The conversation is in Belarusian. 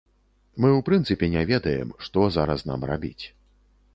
Мы ў прынцыпе не ведаем, што зараз нам рабіць.